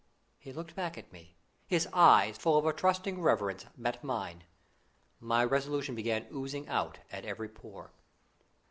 He looked back at me. His eyes, full of a trusting reverence, met mine. My resolution began oozing out at every pore.